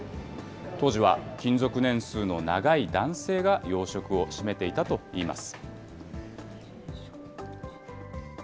当時は、勤続年数の長い男性が要職を占めていたといいます。